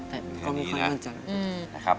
จะใช้หรือไม่ใช้ครับ